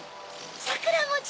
さくらもち